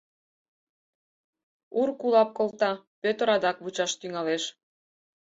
Ур кулап колта, Пӧтыр адак вучаш тӱҥалеш.